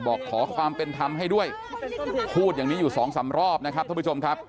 บอกขอความเป็นธรรมให้ด้วยพูดอย่างนี้อยู่สองสามรอบนะครับท่านผู้ชมครับ